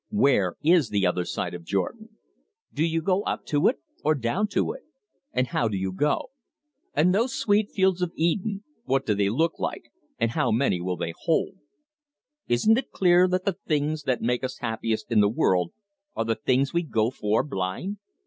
Where is the other side of Jordan? Do you go up to it, or down to it? And how do you go? And those sweet fields of Eden, what do they look like, and how many will they hold? Isn't it clear that the things that make us happiest in this world are the things we go for blind?"